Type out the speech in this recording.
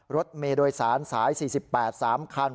รถเมโดยศาลสาย๔๘สามคัน